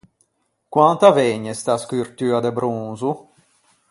Quant’a vëgne sta scurtua de bronzo?